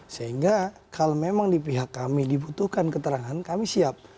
sehingga kalau memang di pihak kami dibutuhkan keterangan kami siap